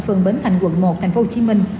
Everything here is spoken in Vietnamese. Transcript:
phường bến thành quận một thành phố hồ chí minh